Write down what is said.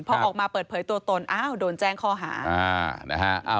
พอออกมาเปิดเผยตัวตนโดนแจ้งข้อหา